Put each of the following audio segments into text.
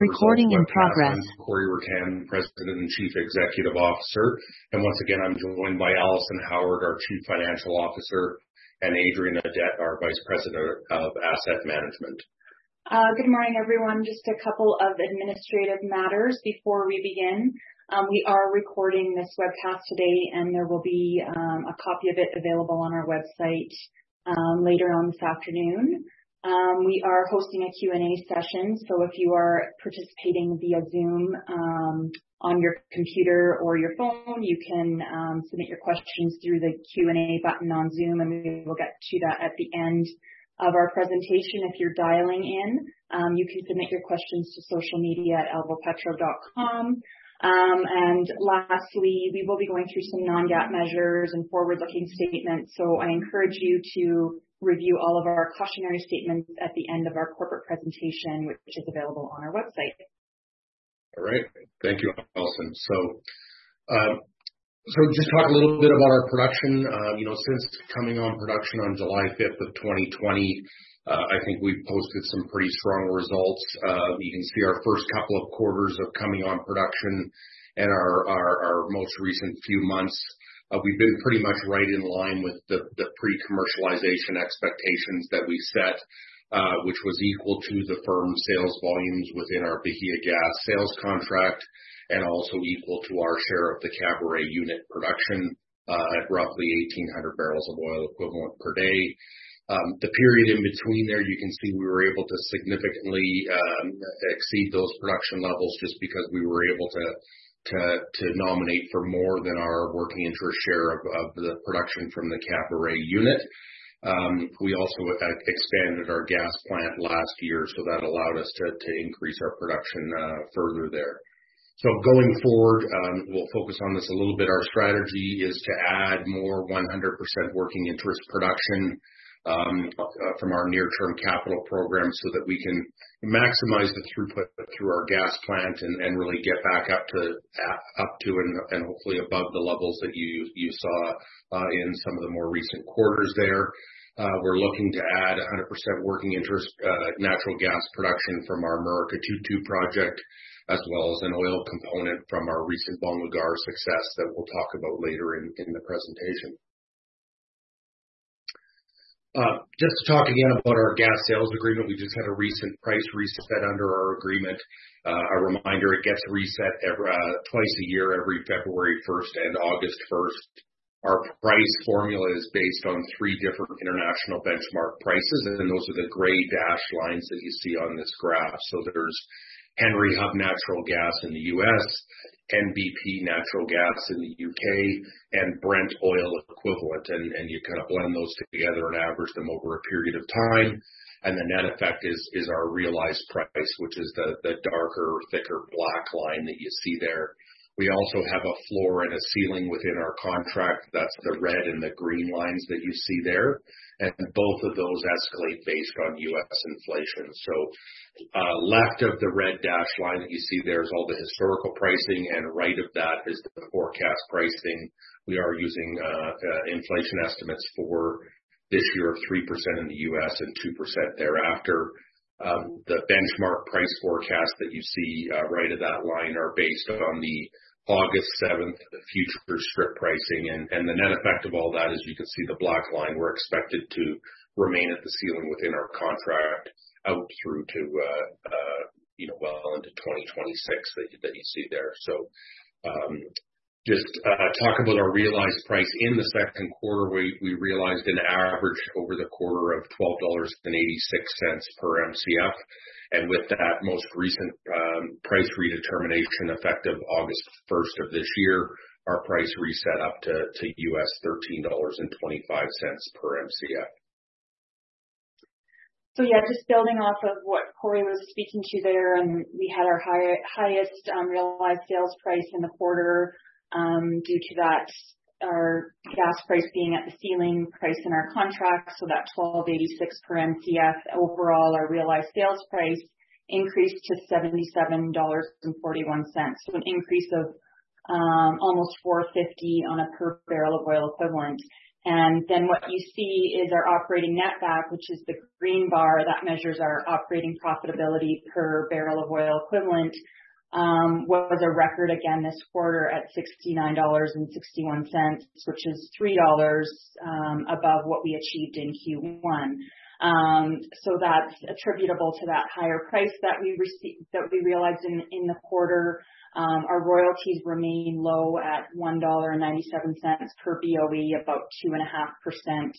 Recording in progress. Corey Ruttan, President and Chief Executive Officer, and once again, I'm joined by Alison Howard, our Chief Financial Officer, and Adrian Audet, our Vice President of Asset Management. Good morning, everyone. Just a couple of administrative matters before we begin. We are recording this webcast today, and there will be a copy of it available on our website later on this afternoon. We are hosting a Q&A session, so if you are participating via Zoom on your computer or your phone, you can submit your questions through the Q&A button on Zoom, and we will get to that at the end of our presentation. If you're dialing in, you can submit your questions to socialmedia@alvopetro.com. Lastly, we will be going through some non-GAAP measures and forward-looking statements, so I encourage you to review all of our cautionary statements at the end of our corporate presentation, which is available on our website. All right. Thank you, Alison. Just talk a little bit about our production. You know, since coming on production on July 5, 2020, I think we've posted some pretty strong results. You can see our first couple of quarters of coming on production and our most recent few months, we've been pretty much right in line with the pre-commercialization expectations that we set, which was equal to the firm's sales volumes within our Bahia gas sales contract, and also equal to our share of the Caburé unit production at roughly 1,800 barrels of oil equivalent per day. The period in between there, you can see we were able to significantly exceed those production levels just because we were able to, to, to nominate for more than our working interest share of, of the production from the Caburé unit. We also expanded our gas plant last year, that allowed us to, to increase our production further there. Going forward, we'll focus on this a little bit. Our strategy is to add more 100% working interest production from our near-term capital program, so that we can maximize the throughput through our gas plant and, and really get back up to up to and, and hopefully above the levels that you, you saw in some of the more recent quarters there. We're looking to add 100% working interest natural gas production from our Murucututu project, as well as an oil component from our recent Bom Lugar success that we'll talk about later in the presentation. Just to talk again about our gas sales agreement. We just had a recent price reset under our agreement. A reminder, it gets reset every twice a year, every February 1st and August 1st. Our price formula is based on three different international benchmark prices, and those are the gray dashed lines that you see on this graph. There's Henry Hub Natural Gas in the U.S., NBP Natural Gas in the U.K., and Brent Oil Equivalent. You kind of blend those together and average them over a period of time, and the net effect is, is our realized price, which is the, the darker, thicker black line that you see there. We also have a floor and a ceiling within our contract. That's the red and the green lines that you see there, and both of those escalate based on U.S. inflation. Left of the red dashed line that you see there is all the historical pricing, and right of that is the forecast pricing. We are using inflation estimates for this year of 3% in the U.S. and 2% thereafter. The benchmark price forecast that you see, right of that line are based on the August 7th future strip pricing, the net effect of all that, as you can see, the black line, we're expected to remain at the ceiling within our contract out through to, you know, well into 2026 that you, that you see there. Just talk about our realized price. In the Q2, we, we realized an average over the quarter of $12.86 per Mcf, with that most recent price redetermination effective August 1st of this year, our price reset up to, to U.S. $13.25 per Mcf. Yeah, just building off of what Corey was speaking to there, we had our highest realized sales price in the quarter, due to that, our gas price being at the ceiling price in our contract, so that $12.86 per Mcf. Overall, our realized sales price increased to $77.41, so an increase of almost $4.50 on a per barrel of oil equivalent. Then what you see is our Operating Netback, which is the green bar, that measures our operating profitability per barrel of oil equivalent, was a record again this quarter at $69.61, which is $3 above what we achieved in Q1. That's attributable to that higher price that we realized in the quarter. Our royalties remain low at $1.97 per BOE, about 2.5%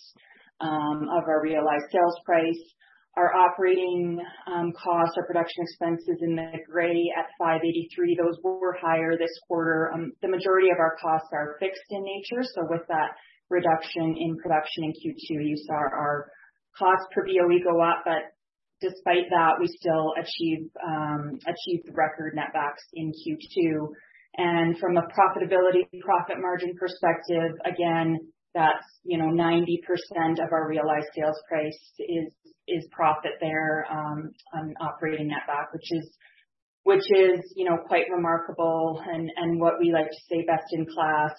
of our realized sales price. Our operating costs, our production expenses in the gray at $5.83, those were higher this quarter. The majority of our costs are fixed in nature, so with that reduction in production in Q2, you saw our costs per BOE go up, but despite that, we still achieved achieved record net backs in Q2. From a profitability profit margin perspective, again, that's, you know, 90% of our realized sales price is, is profit there on Operating Netback, you know, quite remarkable and, and what we like to say, best in class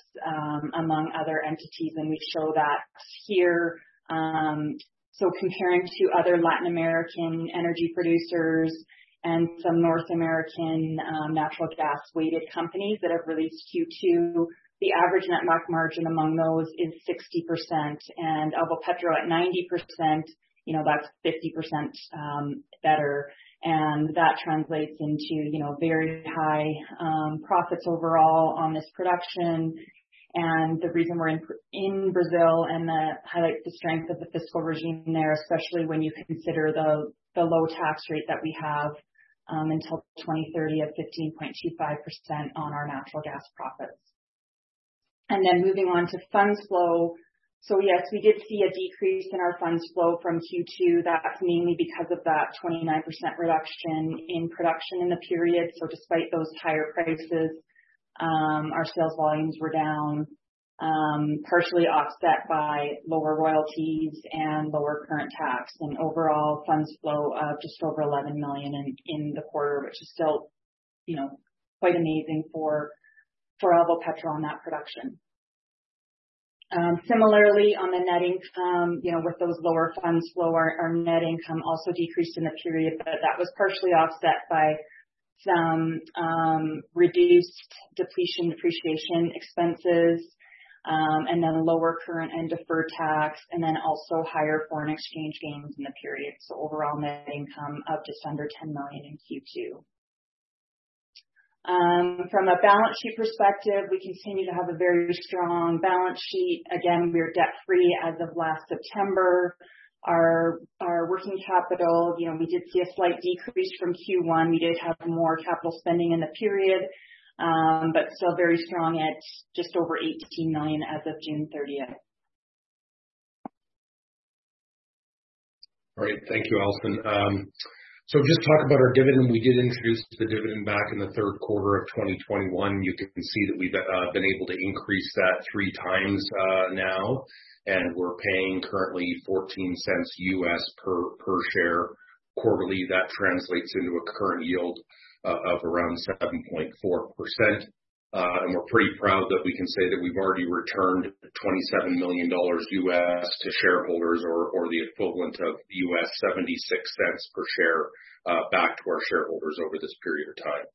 among other entities, and we show that here. Comparing to other Latin American energy producers and some North American natural gas weighted companies that have released Q2, the average netback margin among those is 60%, and Alvopetro at 90%, you know, that's 50% better. That translates into, you know, very high profits overall on this production. The reason we're in Brazil, and that highlights the strength of the fiscal regime there, especially when you consider the low tax rate that we have until 2030 at 15.25% on our natural gas profits. Moving on to funds flow. Yes, we did see a decrease in our funds flow from Q2. That's mainly because of that 29% reduction in production in the period. Despite those higher prices, our sales volumes were down, partially offset by lower royalties and lower current tax. Overall, funds flow of just over $11 million in the quarter, which is still, you know, quite amazing for Alvopetro on that production. Similarly, on the net income, you know, with those lower funds flow, our net income also decreased in the period, but that was partially offset by some reduced depletion, depreciation expenses, and then lower current and deferred tax, and then also higher foreign exchange gains in the period. Overall, net income up just under $10 million in Q2. From a balance sheet perspective, we continue to have a very strong balance sheet. Again, we're debt free as of last September. Our, our working capital, you know, we did see a slight decrease from Q1. We did have more capital spending in the period, but still very strong at just over $18 million as of June 30th. Great. Thank you, Alison. Just talk about our dividend. We did introduce the dividend back in the Q3 of 2021. You can see that we've been able to increase that three times now, and we're paying currently $0.14 per share quarterly. That translates into a current yield of around 7.4%. We're pretty proud that we can say that we've already returned $27 million to shareholders, or the equivalent of $0.76 per share back to our shareholders over this period of time.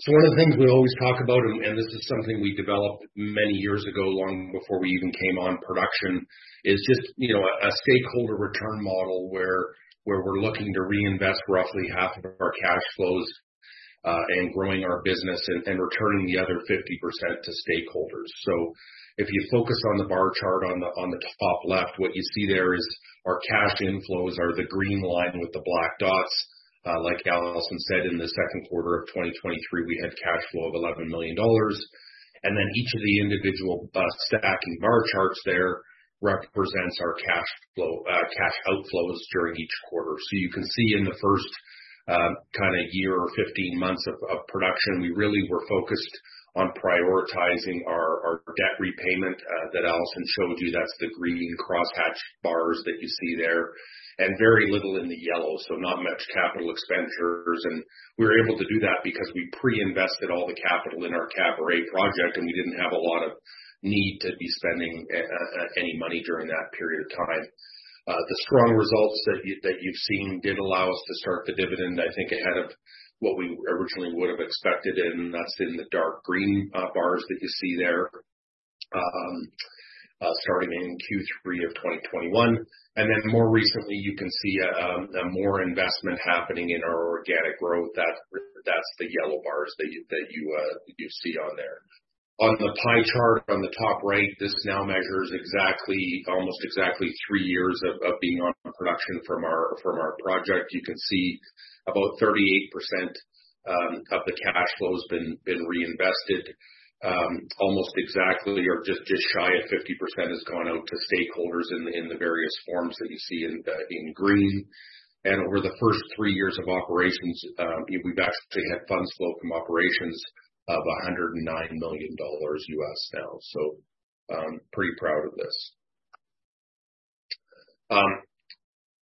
So one of the things we always talk about, and, and this is something we developed many years ago, long before we even came on production, is just, you know, a stakeholder return model where, where we're looking to reinvest roughly half of our cash flows, in growing our business and, and returning the other 50% to stakeholders. If you focus on the bar chart on the, on the top left, what you see there is our cash inflows are the green line with the black dots. Like Alison said, in the Q2 of 2023, we had cash flow of $11 million. Then each of the individual back stack and bar charts there represents our cash flow, cash outflows during each quarter. You can see in the first, kind of year or 15 months of, of production, we really were focused on prioritizing our, our debt repayment, that Alison showed you. That's the green cross hatch bars that you see there, and very little in the yellow, so not much capital expenditures. We were able to do that because we pre-invested all the capital in our Caburé project, and we didn't have a lot of need to be spending any money during that period of time. The strong results that you, that you've seen did allow us to start the dividend, I think, ahead of what we originally would have expected, and that's in the dark green, bars that you see there, starting in Q3 of 2021. More recently, you can see a more investment happening in our organic growth. That's, that's the yellow bars that you, that you see on there. On the pie chart on the top right, this now measures exactly, almost exactly three years of being on production from our project. You can see about 38% of the cash flow has been reinvested. Almost exactly, or just, just shy of 50%, has gone out to stakeholders in the various forms that you see in green. Over the first three years of operations, we've actually had funds flow from operations of $109 million U.S. now, so pretty proud of this.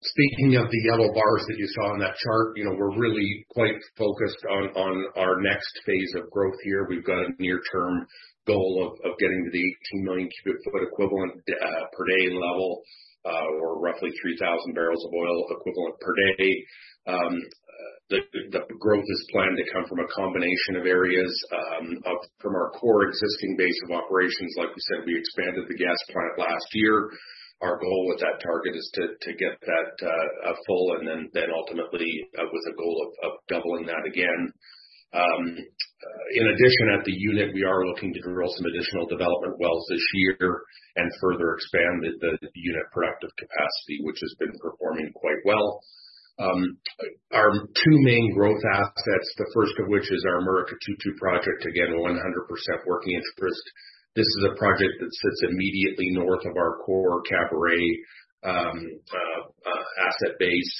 Speaking of the yellow bars that you saw on that chart, you know, we're really quite focused on, on our next phase of growth here. We've got a near-term goal of, of getting to the 18 million cubic foot equivalent per day level, or roughly 3,000 barrels of oil equivalent per day. The, the growth is planned to come from a combination of areas from our core existing base of operations. Like we said, we expanded the gas plant last year. Our goal with that target is to, to get that full and then, then ultimately, with a goal of, of doubling that again. In addition, at the unit, we are looking to drill some additional development wells this year and further expand the, the unit productive capacity, which has been performing quite well. Our two main growth assets, the first of which is our Murucututu-2 project, again, 100% working interest. This is a project that sits immediately north of our core Caburé asset base.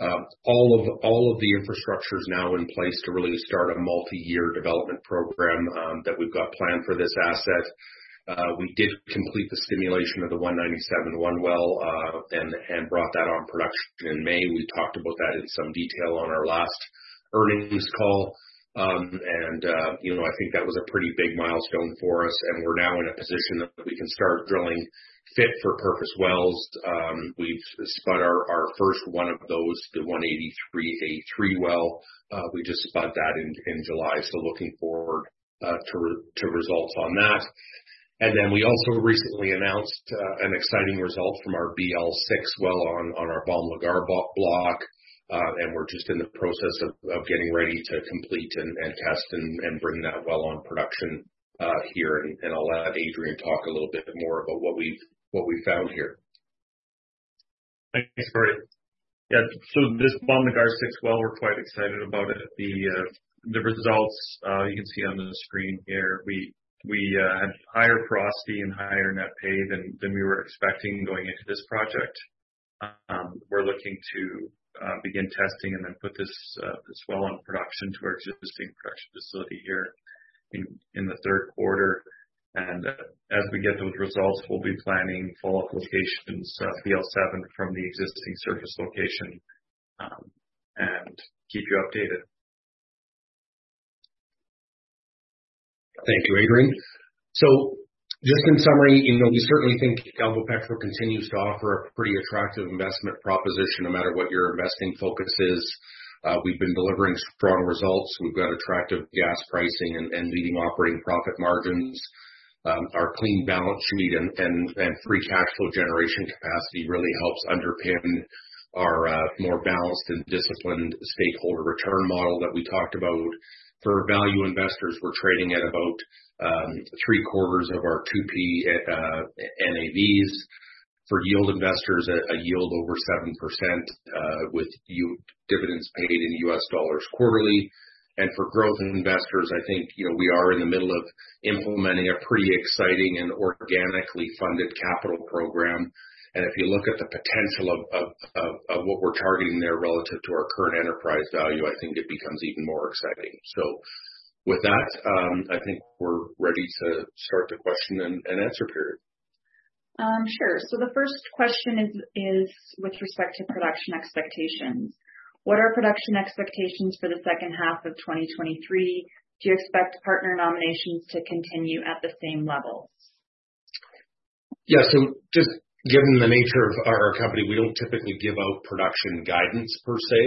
All of, all of the infrastructure is now in place to really start a multi-year development program that we've got planned for this asset. We did complete the stimulation of the 197(1) well and brought that on production in May. We talked about that in some detail on our last earnings call. You know, I think that was a pretty big milestone for us, and we're now in a position that we can start drilling fit-for-purpose wells. We've spot our, our first one of those, the 183-A3 well, we just spot that in, in July. Looking forward to results on that. We also recently announced an exciting result from our BL-06 well on our Bom Lugar block. We're just in the process of getting ready to complete and test and bring that well on production here. I'll have Adrian talk a little bit more about what we've, what we found here. Thanks, Corey. Yeah, this Bom Lugar six well, we're quite excited about it. The results you can see on the screen here, we had higher porosity and higher net pay than we were expecting going into this project. We're looking to begin testing and then put this well on production to our existing production facility here in the Q3. As we get those results, we'll be planning follow-up locations, BL seven, from the existing surface location, and keep you updated. Thank you, Adrian. Just in summary, you know, we certainly think Alvopetro Energy continues to offer a pretty attractive investment proposition, no matter what your investing focus is. We've been delivering strong results. We've got attractive gas pricing and leading operating profit margins. Our clean balance sheet and free cash flow generation capacity really helps underpin our more balanced and disciplined stakeholder return model that we talked about. For value investors, we're trading at about 0.75 of our 2P NAVs. For yield investors, a yield over 7%, with dividends paid in U.S. dollars quarterly. For growth investors, I think, you know, we are in the middle of implementing a pretty exciting and organically funded capital program. If you look at the potential of what we're targeting there relative to our current enterprise value, I think it becomes even more exciting. With that, I think we're ready to start the question and answer period. Sure. The first question is, is with respect to production expectations. What are production expectations for the second half of 2023? Do you expect partner nominations to continue at the same levels? Yeah. Just given the nature of our company, we don't typically give out production guidance per se,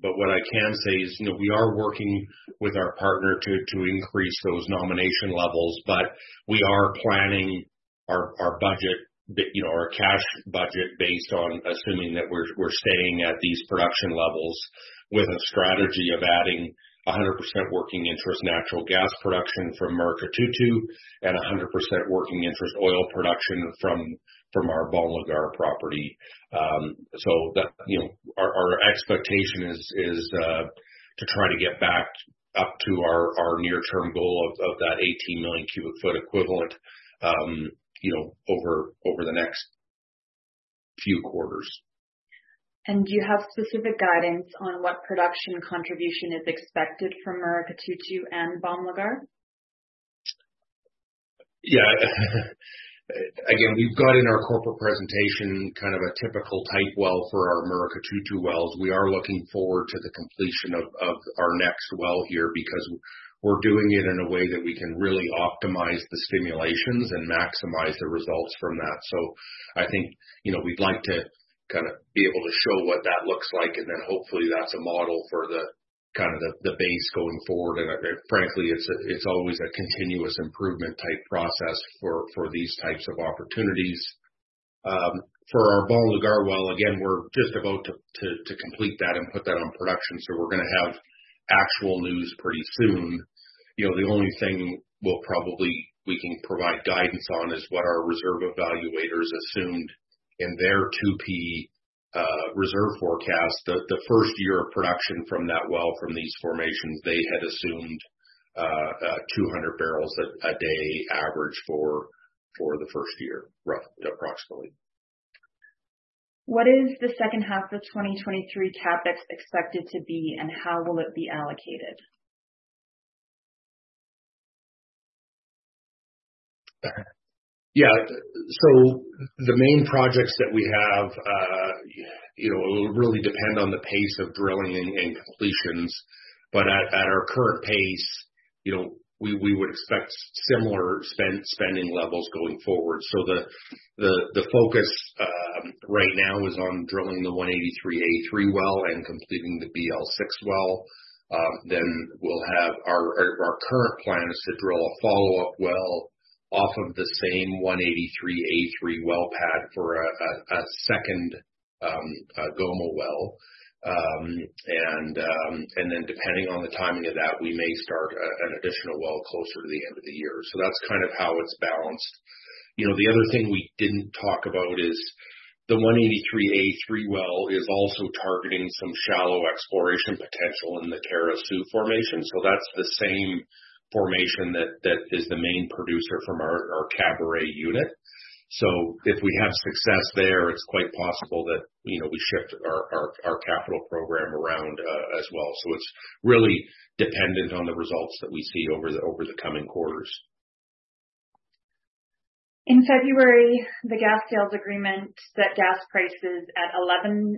but what I can say is, you know, we are working with our partner to, to increase those nomination levels, but we are planning our, our budget, you know, our cash budget based on assuming that we're, we're staying at these production levels, with a strategy of adding a hundred percent working interest natural gas production from Murucututu-2, and a hundred percent working interest oil production from, from our Bom Lugar property. That, you know, our, our expectation is, is to try to get back up to our, our near-term goal of, of that 18 million cubic foot equivalent, you know, over, over the next few quarters. Do you have specific guidance on what production contribution is expected from Murucututu-2 and Bom Lugar? Yeah. Again, we've got in our corporate presentation, kind of a typical type well for our Murucututu-2 wells. We are looking forward to the completion of, of our next well here, because we're doing it in a way that we can really optimize the simulations and maximize the results from that. I think, you know, we'd like to kind of be able to show what that looks like, and then hopefully that's a model for the kind of the, the base going forward. Frankly, it's a, it's always a continuous improvement type process for, for these types of opportunities. For our Bom Lugar well, again, we're just about to, to, to complete that and put that on production. We're gonna have actual news pretty soon. You know, the only thing we'll probably we can provide guidance on, is what our reserve evaluators assumed in their 2P reserve forecast. The first year of production from that well from these formations, they had assumed, 200 barrels a day average for the first year, approximately. What is the second half of 2023 CapEx expected to be, and how will it be allocated? Yeah. The main projects that we have, you know, will really depend on the pace of drilling and completions. At our current pace, you know, we would expect similar spending levels going forward. The focus right now is on drilling the 183-A3 well and completing the BL-06 well. Then we'll have our current plan is to drill a follow-up well off of the same 183-A3 well pad for a second Gomo well. And then depending on the timing of that, we may start an additional well closer to the end of the year. That's kind of how it's balanced. You know, the other thing we didn't talk about is the 183-A3 well is also targeting some shallow exploration potential in the Terra 2 formation. That's the same formation that, that is the main producer from our, our Caburé unit. If we have success there, it's quite possible that, you know, we shift our, our, our capital program around, as well. It's really dependent on the results that we see over the, over the coming quarters. In February, the gas sales agreement set gas prices at $11.88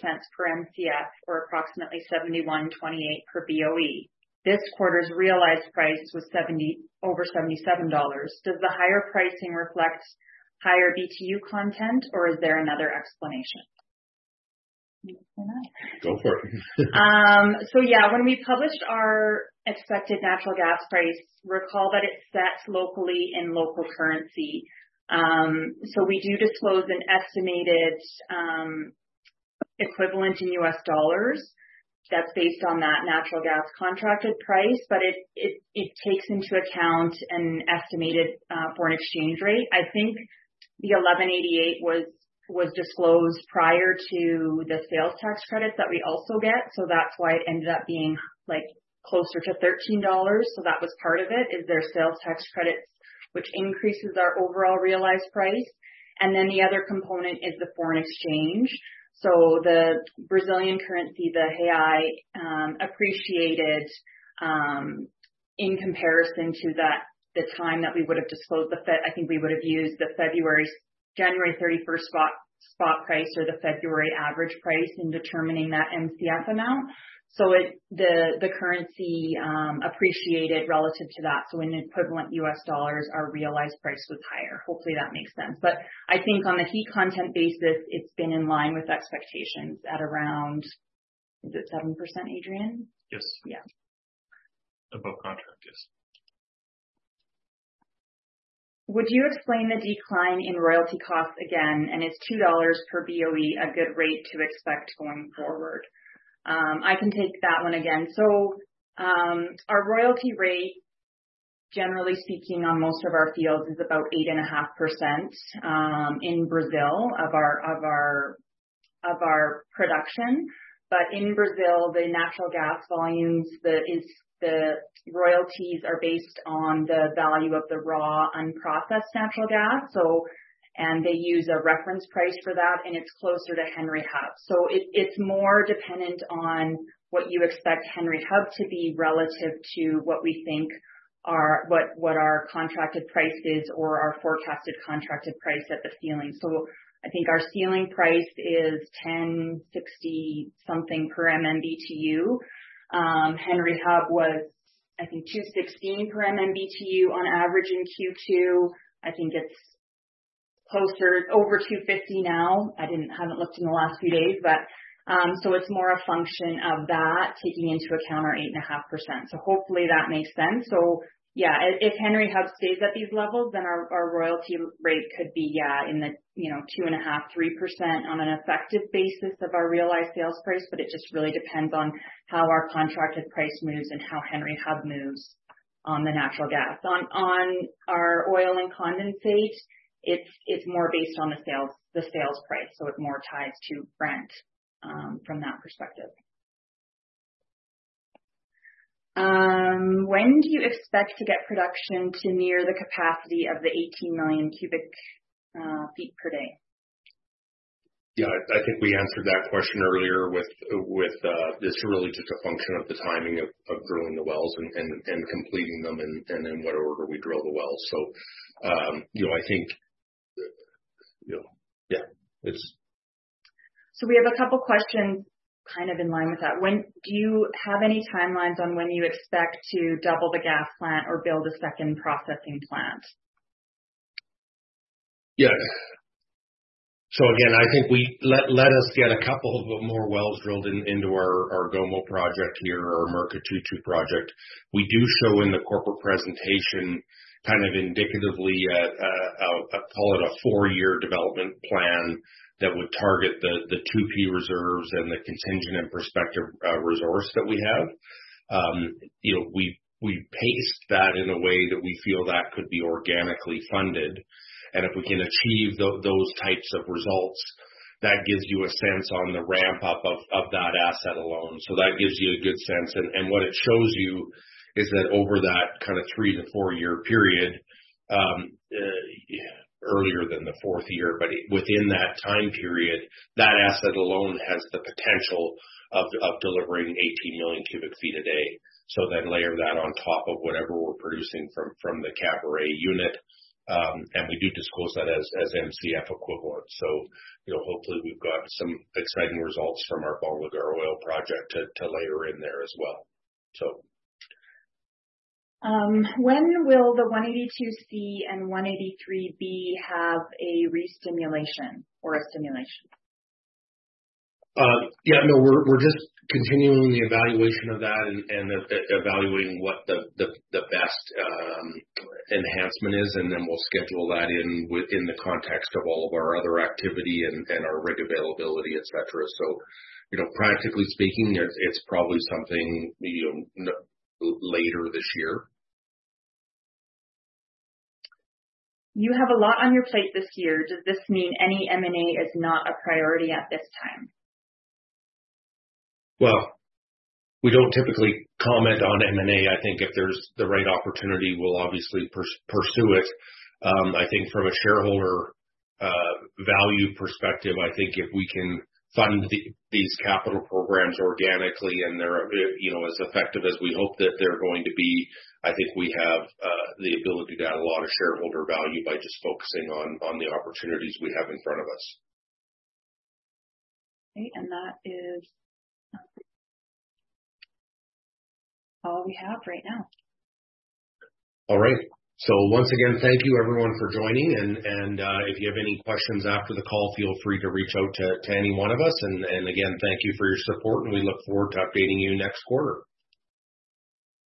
per Mcf, or approximately $71.28 per BOE. This quarter's realized price was over $77. Does the higher pricing reflect higher BTU content or is there another explanation? Go for it. Yeah, when we published our expected natural gas price, recall that it sets locally in local currency. We do disclose an estimated equivalent in U.S. dollars. That's based on that natural gas contracted price, but it, it, it takes into account an estimated foreign exchange rate. I think the $11.88 was, was disclosed prior to the sales tax credits that we also get, that's why it ended up being, like, closer to $13. That was part of it, is their sales tax credits, which increases our overall realized price. Then the other component is the foreign exchange. The Brazilian currency, the real, appreciated in comparison to the time that we would have disclosed. I think we would have used the February, January 31st spot, spot price or the February average price in determining that Mcf amount. It, the currency, appreciated relative to that. In equivalent U.S. dollars, our realized price was higher. Hopefully, that makes sense. I think on the heat content basis, it's been in line with expectations at around, is it 7%, Adrian? Yes. Yeah. Above contract, yes. Would you explain the decline in royalty costs again, and is $2 per BOE a good rate to expect going forward? I can take that one again. Our royalty rate, generally speaking, on most of our fields is about 8.5%, in Brazil, of our, of our, of our production. In Brazil, the natural gas volumes, the royalties are based on the value of the raw, unprocessed natural gas. They use a reference price for that, and it's closer to Henry Hub. It, it's more dependent on what you expect Henry Hub to be relative to what we think are, what, what our contracted price is or our forecasted contracted price at the ceiling. I think our ceiling price is $10.60 something per MMBtu. Henry Hub was, I think, $2.16 per MMBtu on average in Q2. I think it's closer, over $2.50 now. I didn't— haven't looked in the last few days, but it's more a function of that, taking into account our 8.5%. Hopefully that makes sense. Yeah, if, if Henry Hub stays at these levels, then our, our royalty rate could be, in the, you know, 2.5%–3% on an effective basis of our realized sales price, but it just really depends on how our contracted price moves and how Henry Hub moves on the natural gas. On, on our oil and condensate, it's, it's more based on the sales, the sales price, so it more ties to Brent from that perspective. When do you expect to get production to near the capacity of the 18 million cubic feet per day? Yeah, I, I think we answered that question earlier with, with. It's really just a function of the timing of, of drilling the wells and, and, and completing them, and, and in what order we drill the wells. You know, I think, you know, yeah, it's. We have a couple questions kind of in line with that. Do you have any timelines on when you expect to double the gas plant or build a second processing plant? Yes. Again, I think we. Let us get a couple of more wells drilled into our Gomo project here or Murucututu project. We do show in the corporate presentation, kind of indicatively, a call it a four-year development plan, that would target the 2P reserves and the contingent and prospective resource that we have. You know, we paced that in a way that we feel that could be organically funded, and if we can achieve those types of results, that gives you a sense on the ramp-up of that asset alone. That gives you a good sense. What it shows you is that over that kind of three to four-year period, earlier than the fourth year, but within that time period, that asset alone has the potential of, of delivering 18 million cubic feet a day. Then layer that on top of whatever we're producing from, from the Caburé unit. We do disclose that as, as Mcf equivalent. You know, hopefully, we've got some exciting results from our Bom Lugar oil project to, to layer in there as well, so. When will the 182 C and 183 B have a restimulation or a stimulation? Yeah, no, we're, we're just continuing the evaluation of that and evaluating what the, the, the best enhancement is, and then we'll schedule that in within the context of all of our other activity and, and our rig availability, et cetera. You know, practically speaking, it's, it's probably something, you know, later this year. You have a lot on your plate this year. Does this mean any M&A is not a priority at this time? Well, we don't typically comment on M&A. I think if there's the right opportunity, we'll obviously pursue it. I think from a shareholder value perspective, I think if we can fund the, these capital programs organically and they're, you know, as effective as we hope that they're going to be, I think we have the ability to add a lot of shareholder value by just focusing on, on the opportunities we have in front of us. Okay, that is all we have right now. All right. Once again, thank you everyone for joining, and, and, if you have any questions after the call, feel free to reach out to, to any one of us. Again, thank you for your support, and we look forward to updating you next quarter.